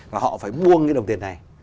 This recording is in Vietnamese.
và họ phải buông cái đồng tiền này